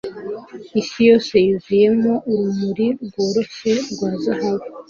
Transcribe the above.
Isi yose yuzuyemo urumuri rworoshye rwa zahabu